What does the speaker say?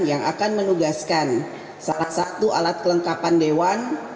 yang akan menugaskan salah satu alat kelengkapan dewan